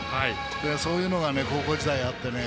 そういうのが高校時代あってね。